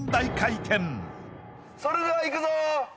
それではいくぞ。